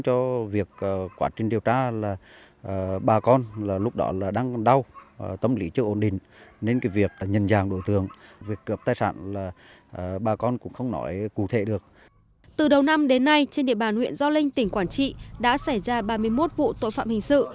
từ đầu năm đến nay trên địa bàn huyện gio linh tỉnh quảng trị đã xảy ra ba mươi một vụ tội phạm hình sự